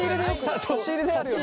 差し入れであるよな。